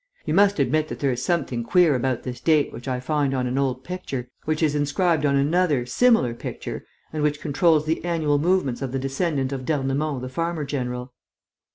You must admit that there is something queer about this date which I find on an old picture, which is inscribed on another, similar picture and which controls the annual movements of the descendant of d'Ernemont the farmer general."